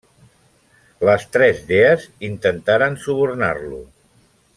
Les tres dees intentaren subornar-lo.